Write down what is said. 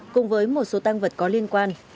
cùng với một số tăng vật có liên quan